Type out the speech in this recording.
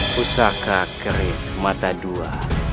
kusaka keris mata dua